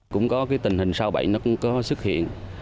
cũng có tình hình sao bệnh nó có xuất hiện